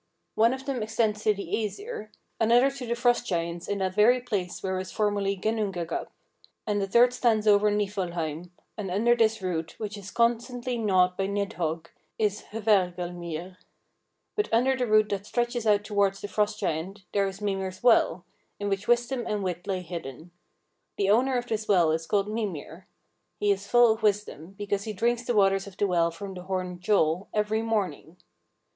One of them extends to the Æsir, another to the Frost giants in that very place where was formerly Ginnungagap, and the third stands over Nifelheim, and under this root, which is constantly gnawed by Nidhogg, is Hvergelmir. But under the root that stretches out towards the Frost giants there is Mimir's well, in which wisdom and wit lie hidden. The owner of this well is called Mimir. He is full of wisdom, because he drinks the waters of the well from the horn Gjoll every morning.